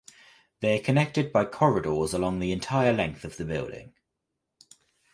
They are connected by corridors along the entire length of the building.